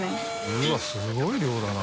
うわっすごい量だな。